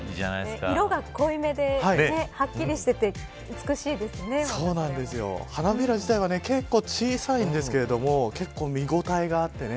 色が濃い目ではっきりしてて花びら自体は結構小さいんですけれども結構、見応えがあってね。